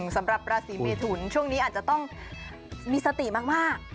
สำหรับราศีเมทุนช่วงนี้อาจจะต้องมีสติมาก